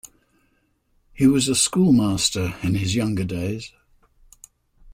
He was a schoolmaster in his younger days.